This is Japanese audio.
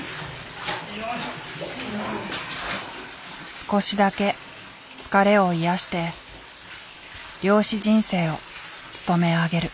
少しだけ疲れを癒やして漁師人生をつとめ上げる。